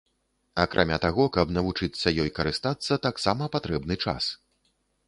Акрамя таго, каб навучыцца ёй карыстацца, таксама патрэбны час.